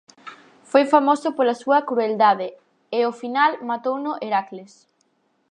Foi famoso pola súa crueldade e ó final matouno Heracles.